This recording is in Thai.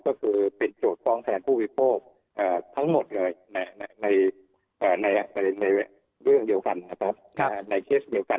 ก็เป็นโจทย์ฟ้องแทนผู้บิโภคทั้งหมดเลยในเคสเดียวกัน